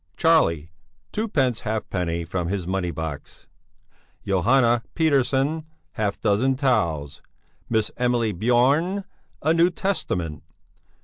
Charlie, twopence halfpenny from his money box. Johanna Pettersson, half dozen towels. Miss Emily Björn, a New Testament.